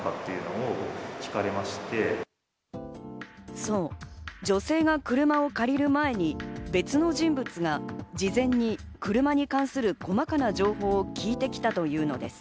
そう、女性が車を借りる前に別の人物が事前に車に関する細かな情報を聞いてきたというのです。